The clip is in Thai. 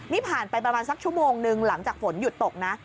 นี่ผ่านไปประมาณสักชั่วโมงนึงหลังจากฝนหยุดตกนะ